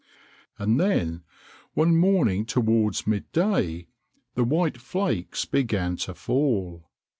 And then, one morning towards mid day, the white flakes began to fall.